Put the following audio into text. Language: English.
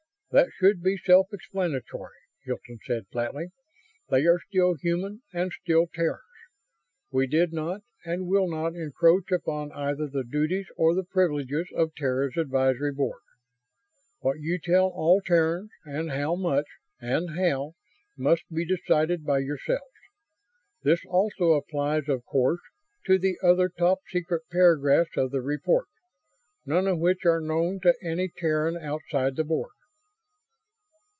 "That should be self explanatory," Hilton said, flatly. "They are still human and still Terrans. We did not and will not encroach upon either the duties or the privileges of Terra's Advisory Board. What you tell all Terrans, and how much, and how, must be decided by yourselves. This also applies, of course, to the other 'Top Secret' paragraphs of the report, none of which are known to any Terran outside the Board."